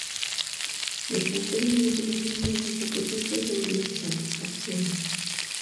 Los factores de motivación tienen poco efecto sobre la insatisfacción.